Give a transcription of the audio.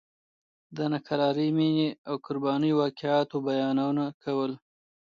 د ناکرارې مینې او قربانیو واقعاتو بیانونه کول.